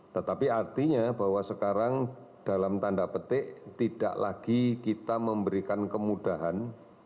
tetapi artinya bahwa sekarang dalam tanda petik tidak lagi kita memberikan kemudahan